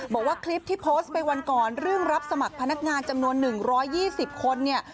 บอกว่าคลิปที่โพสต์ไปวันก่อนเรื่องรับสมัครพนักงานจำนวน๑๒๐คนเนี่ย